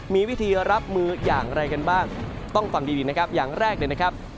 มีวิธีรับมืออย่างไรกันบ้างต้องฟังดีนะครับอย่างแรกเลยนะครับ